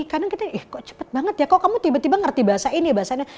kadang kita kok cepet banget ya kok kamu tiba tiba ngerti bahasa ini bahasanya